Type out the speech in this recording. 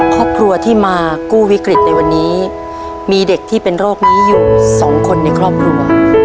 ครอบครัวที่มากู้วิกฤตในวันนี้มีเด็กที่เป็นโรคนี้อยู่สองคนในครอบครัว